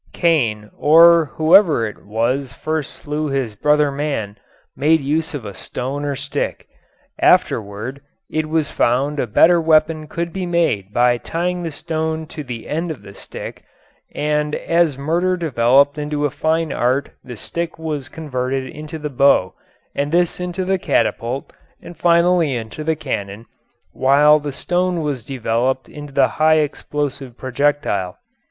Cain, or whoever it was first slew his brother man, made use of a stone or stick. Afterward it was found a better weapon could be made by tying the stone to the end of the stick, and as murder developed into a fine art the stick was converted into the bow and this into the catapult and finally into the cannon, while the stone was developed into the high explosive projectile.